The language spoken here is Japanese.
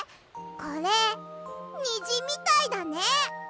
これにじみたいだね。